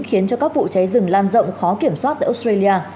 khiến cho các vụ cháy rừng lan rộng khó kiểm soát tại australia